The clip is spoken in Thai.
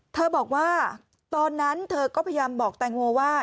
บอกว่าตอนนั้นเธอก็พยายามบอกแตงโมว่า